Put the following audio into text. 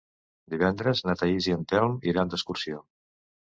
Divendres na Thaís i en Telm iran d'excursió.